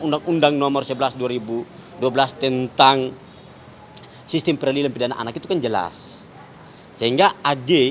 undang undang nomor sebelas dua ribu dua belas tentang sistem perlindungan anak itu jelas sehingga ade